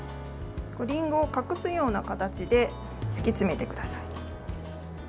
りんごを隠すような形で敷き詰めてください。